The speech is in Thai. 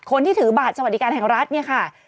ถือบัตรสวัสดิการแห่งรัฐเนี่ยค่ะ